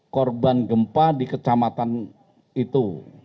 korban gempa di kecamatan itu